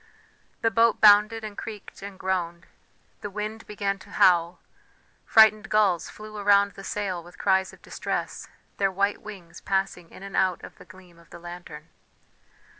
The boat bounded and creaked and groaned; the wind began to howl, frightened gulls flew around the sail with cries of distress, their white wings passing in and out of the gleam of the lantern.